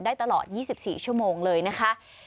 ได้ตลอด๒๔ชั่วโมงเลยนะคะ